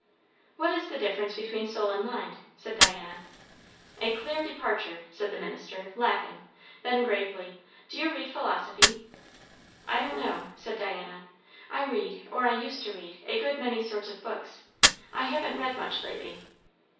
"What is the difference between soul and mind?" said Diana. "A clear departure!" said the minister, laughing; then gravely, "Do you read philosophy?" "I don't know" said Diana. "I read, or I used to read, a good many sorts of books. I haven't read much lately."